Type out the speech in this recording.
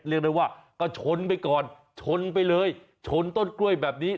เรียกได้ว่าก็ชนไปก่อนชนไปเลยชนต้นกล้วยแบบนี้